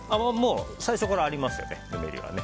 最初からありますよ、ぬめりは。